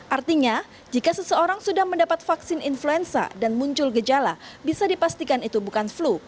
artinya jika seseorang sudah mendapat vaksin influenza dan muncul gejala bisa dipastikan itu bukan flu